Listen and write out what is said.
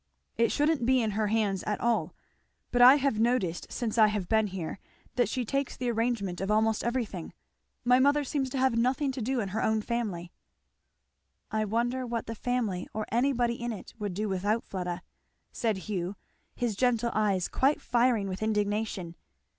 "It shouldn't be in her hands at all. But I have noticed since I have been here that she takes the arrangement of almost everything. My mother seems to have nothing to do in her own family." "I wonder what the family or anybody in it would do without Fleda!" said Hugh, his gentle eyes quite firing with indignation.